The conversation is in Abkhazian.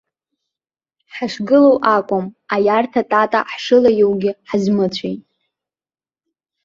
Ҳашгылоу акәым, аиарҭа тата ҳшылаиоугьы ҳазмыцәеит!